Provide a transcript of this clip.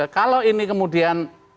kalau ini kemudian